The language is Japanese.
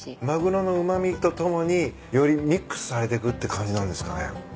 マグロのうま味と共によりミックスされてくって感じなんですかね。